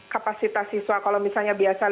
kapasitas siswa kalau misalnya biasa lima ratus